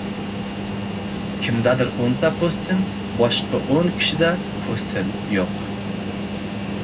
• Kimdadir o‘nta po‘stin, boshqa o‘n kishida po‘stin yo‘q.